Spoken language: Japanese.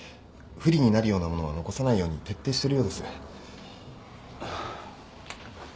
不利になるようなものは残さないように徹底してるようです。